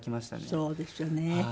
そうですよね。